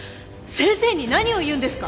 先生に何を言うんですか！？